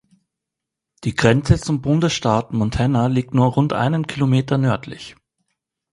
Die Grenze zum Bundesstaat Montana liegt nur rund einen Kilometer nördlich.